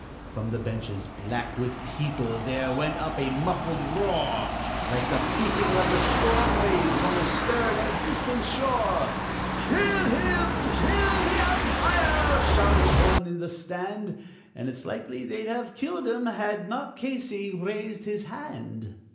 From the benches, black with people, there went up a muffled roar, Like the beating of the storm waves on a stern and distant shore; "Kill him! Kill the umpire!" shouted some one in the stand. And it's likely they'd have killed him had not Casey raised his hand.